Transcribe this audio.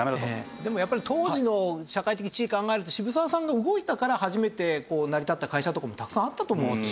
でもやっぱり当時の社会的地位考えると渋沢さんが動いたから初めて成り立った会社とかもたくさんあったと思うんですね。